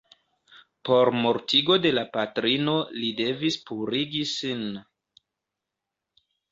Por mortigo de la patrino li devis purigi sin.